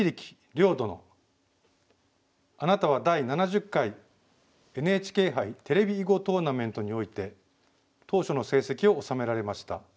遼殿あなたは第７０回ＮＨＫ杯テレビ囲碁トーナメントにおいて頭書の成績をおさめられました。